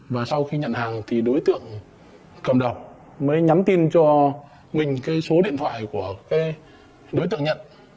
và sau khi nhận hàng thì đối tượng cầm đồng mới nhắn tin cho minh cái số điện thoại của đối tượng nhận